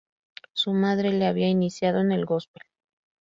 Su madre le había iniciado en el gospel.